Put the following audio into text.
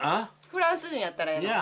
フランス人やったらええの？